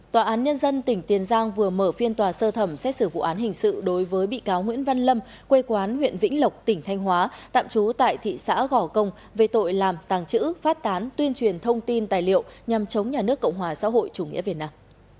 tòa án nhân dân tỉnh tiền giang vừa mở phiên tòa sơ thẩm xét xử vụ án hình sự đối với bị cáo nguyễn văn lâm quê quán huyện vĩnh lộc tỉnh thanh hóa tạm trú tại thị xã gò công về tội làm tàng trữ phát tán tuyên truyền thông tin tài liệu nhằm chống nhà nước cộng hòa xã hội chủ nghĩa việt nam